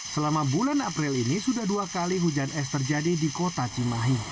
selama bulan april ini sudah dua kali hujan es terjadi di kota cimahi